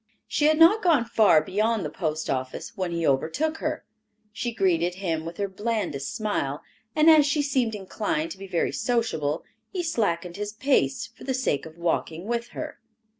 She had not gone far beyond the post office when he overtook her. She greeted him with her blandest smile, and as she seemed inclined to be very sociable, he slackened his pace for the sake of walking with her.